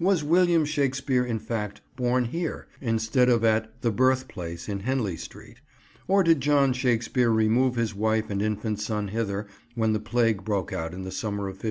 Was William Shakespeare, in fact, born here, instead of at 'the Birthplace' in Henley Street, or did John Shakespeare remove his wife and infant son hither when the plague broke out in the summer of 1564?"